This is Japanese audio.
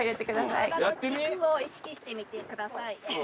体の軸を意識してみてください。